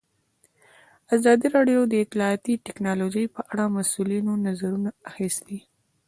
ازادي راډیو د اطلاعاتی تکنالوژي په اړه د مسؤلینو نظرونه اخیستي.